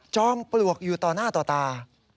ปลวกอยู่ต่อหน้าต่อตา